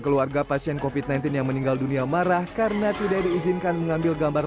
keluarga pasien covid sembilan belas yang meninggal dunia marah karena tidak diizinkan mengambil gambar